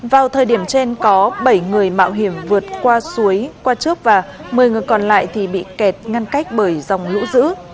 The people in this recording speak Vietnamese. vào thời điểm trên có bảy người mạo hiểm vượt qua suối qua trước và một mươi người còn lại thì bị kẹt ngăn cách bởi dòng lũ dữ